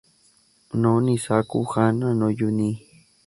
No ni saku hana no you ni